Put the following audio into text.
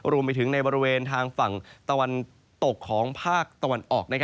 รวมไปถึงในบริเวณทางฝั่งตะวันตกของภาคตะวันออก